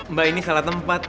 mbak ini salah tempat